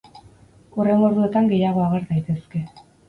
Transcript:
Hurrengo orduetan gehiago ager daitezke.